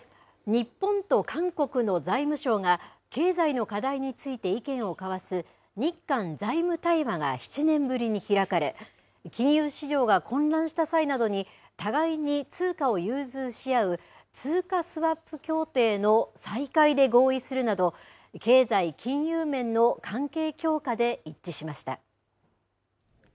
日本と韓国の財務相が経済の課題について意見を交わす日韓財務対話が７年ぶりに開かれ金融市場が混乱した際などに互いに通貨を融通し合う通貨スワップ協定の再開で合意するなど経済、金融面の関係強化で一致しました。